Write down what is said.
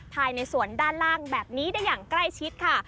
ภายในสวนด้านล่างแบบนี้ได้อย่างใกล้ชิดค่ะ